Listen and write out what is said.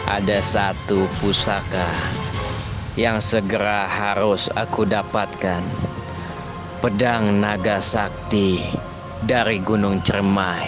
ada satu pusaka yang segera harus aku dapatkan pedang naga sakti dari gunung ceremai